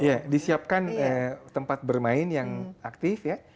ya disiapkan tempat bermain yang aktif ya